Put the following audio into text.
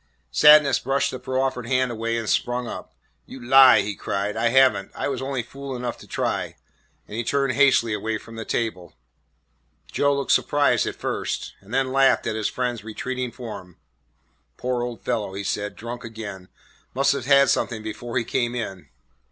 Sadness brushed the proffered hand away and sprung up. "You lie," he cried, "I have n't; I was only fool enough to try;" and he turned hastily away from the table. Joe looked surprised at first, and then laughed at his friend's retreating form. "Poor old fellow," he said, "drunk again. Must have had something before he came in."